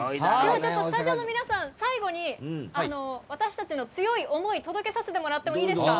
スタジオの皆さん最後に私たちの強い思い届けさせてもらってもいいですか。